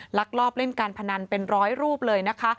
ลักลอบเล่นการพนันเป็นร้อยรูปเลยนะคะ